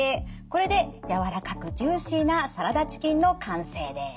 これで柔らかくジューシーなサラダチキンの完成です。